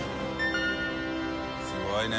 すごいね。